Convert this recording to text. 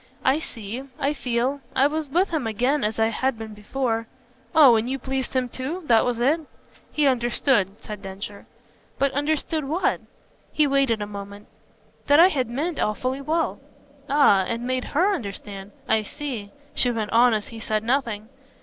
"I see. I feel. I was with him again as I had been before " "Oh and you pleased him too? That was it?" "He understood," said Densher. "But understood what?" He waited a moment. "That I had meant awfully well." "Ah, and made HER understand? I see," she went on as he said nothing.